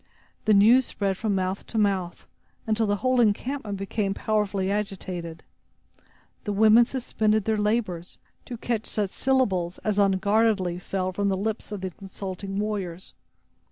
The news spread from mouth to mouth, until the whole encampment became powerfully agitated. The women suspended their labors, to catch such syllables as unguardedly fell from the lips of the consulting warriors.